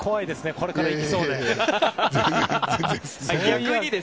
これから来そうで。